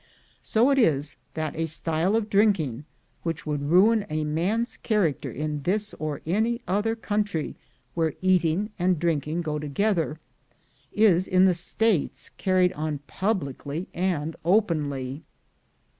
So it is that a style of drinking, which would ruin a man's character in this or any other country wherc^ eating and drinking go together, is in the States car ried on publicly and openly.